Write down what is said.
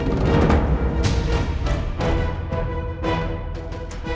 aku ingin bicara sama bella